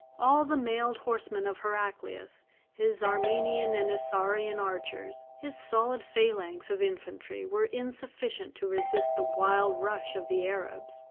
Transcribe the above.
All the mailed horsemen of Heraclius, his Armenian and Isaurian archers, his solid phalanx of infantry, were insufficient to resist the wild rush of the Arabs.